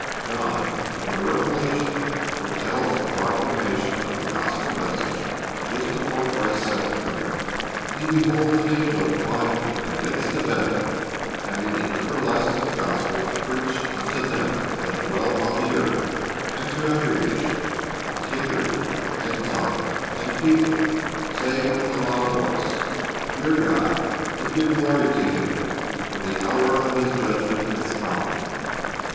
John in the Revelation foretells the proclamation of the gospel message just before Christ's second coming. He beholds an angel flying "in the midst of heaven, having the everlasting gospel to preach unto them that dwell on the earth, and to every nation, and kindred, and tongue, and people, saying with a loud voice. Fear God, and give glory to Him; for the hour of His judgment is come."